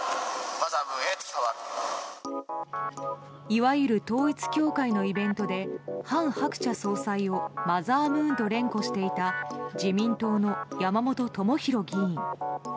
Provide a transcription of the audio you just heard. いわゆる統一教会のイベントで韓鶴子総裁をマザームーンと連呼していた自民党の山本朋広議員。